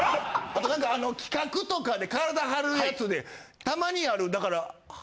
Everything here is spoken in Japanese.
あと何か企画とかで体張るやつでたまにあるだから。